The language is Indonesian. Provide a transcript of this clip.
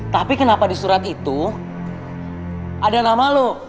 tapi kenapa di surat itu ada nama lo